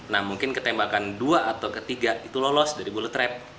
nah mungkin ketembakan dua atau ketiga itu lolos dari bullet trap